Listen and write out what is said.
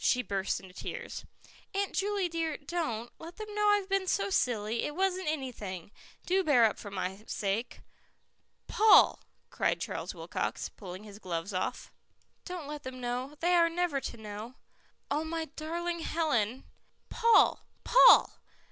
She burst into tears. "Aunt Juley dear, don't. Don't let them know I've been so silly. It wasn't anything. Do bear up for my sake." "Paul," cried Charles Wilcox, pulling his gloves off. "Don't let them know. They are never to know." "Oh, my darling Helen " "Paul! Paul!"